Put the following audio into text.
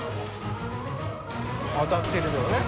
当たってるよね